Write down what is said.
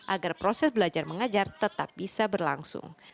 agar proses belajar mengajar tetap bisa berlangsung